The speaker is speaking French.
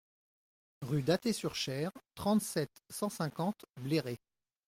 Rue d'Athée sur Cher, trente-sept, cent cinquante Bléré